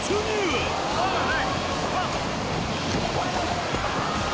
はい。